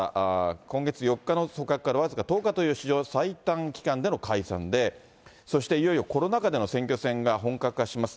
今月４日の組閣から僅か１０日という史上最短期間での解散で、そしていよいよコロナ禍での選挙戦が本格化します。